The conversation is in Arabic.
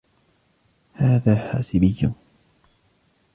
هٰذَا حَاسِبِيٌّ.